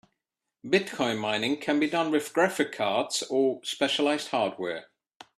Bitcoin mining can be done with graphic cards or with specialized hardware.